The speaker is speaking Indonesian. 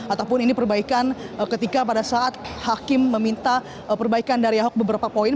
ataupun ini perbaikan ketika pada saat hakim meminta perbaikan dari ahok beberapa poin